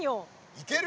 いける？